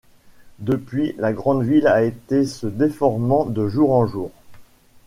Depuis, la grande ville a été se déformant de jour en jour.